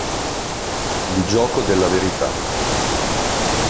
Il gioco della verità